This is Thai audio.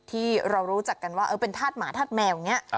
ที่เรารู้จักกันว่าเป็นธาตุหมาธาตุแมวอย่างนี้